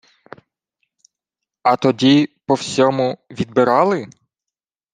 — А тоді, по всьому, відбирали?